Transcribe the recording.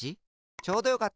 ちょうどよかった！